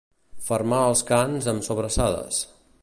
Fermar els cans amb sobrassades.